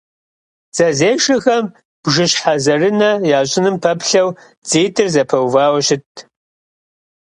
Дзэзешэхэм бжыщхьэзэрынэ ящӀыным пэплъэу дзитӀыр зэпэувауэ щытт.